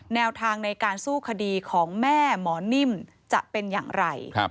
แนวทางในการสู้คดีของแม่หมอนิ่มจะเป็นอย่างไร